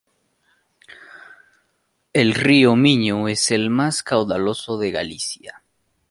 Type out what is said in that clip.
El río Miño es el más caudaloso de Galicia.